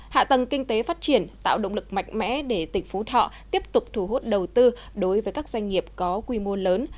hạ tầng kinh tế phát triển tạo động lực mạnh mẽ để tỉnh phú thọ tiếp tục thu hút đầu tư đối với các doanh nghiệp có quy mô lớn